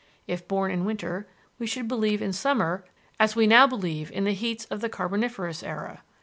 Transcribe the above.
If born in winter, we should believe in summer as we now believe in the heats of the Carboniferous era.